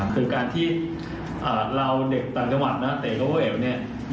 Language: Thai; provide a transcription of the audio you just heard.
คือการที่เราเด็กตลาดจมัดนะเตะเข้าเหวเนี่ย